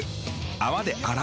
泡で洗う。